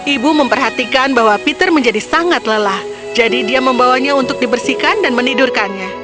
ibu memperhatikan bahwa peter menjadi sangat lelah jadi dia membawanya untuk dibersihkan dan menidurkannya